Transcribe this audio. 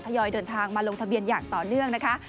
ยอยเดินทางมาลงทะเบียนอย่างต่อเนื่องนะคะ